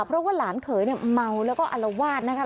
เพราะว่าหลานเขยเนี่ยเมาแล้วก็อลวาดนะคะ